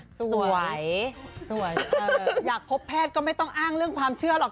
สวยสวยอยากพบแพทย์ก็ไม่ต้องอ้างเรื่องความเชื่อหรอก